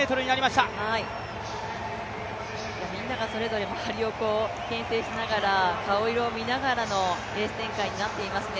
みんながそれぞれ周りをけん制しながら、顔色を見ながらのレース展開になっていますね。